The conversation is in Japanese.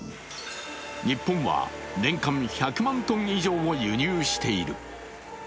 日本は年間１００万ｔ以上輸入している。